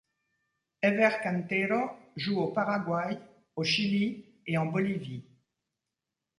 Ever Cantero joue au Paraguay, au Chili et en Bolivie.